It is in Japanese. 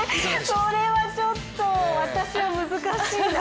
それはちょっと私は難しいな。